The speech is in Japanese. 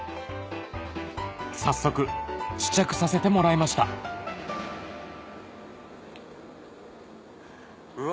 早速試着させてもらいましたうわ